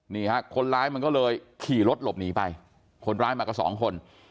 นี่ฮะคนร้ายมันก็เลยขี่รถหลบหนีไปคนร้ายมากับสองคน